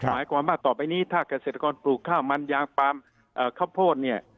หมายความว่าต่อไปนี้ถ้าเกษตรกรปลูกข้าวมันยางปลามข้าวโพดเนี่ย